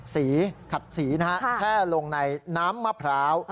ขัดสีนะฮะแช่ลงในน้ำมะพร้าว